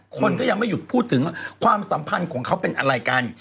คนก็ยังไม่หยุดพูดถึงว่าความสัมพันธ์ของเขาเป็นอะไรกัน